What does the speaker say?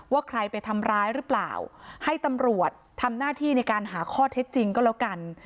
ว่าใครไปทำร้ายหรือเปล่าให้ตำรวจทำหน้าที่ในการหาข้อเท็จจริงก็แล้วกัน